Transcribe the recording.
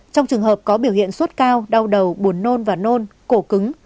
trong trường hợp có biểu hiện sốt cao đau đầu buồn nôn và nôn cổ cứng